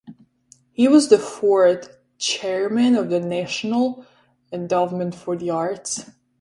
He was the fourth chairman of the National Endowment for the Arts.